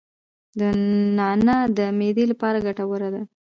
نعناع د معدې لپاره ګټوره ده